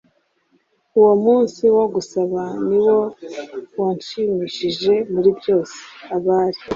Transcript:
Uwo munsi wo gusaba ni wo wanshimishije muri byose. Abari